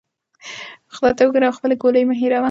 خدای ته وګوره او خپلې ګولۍ مه هیروه.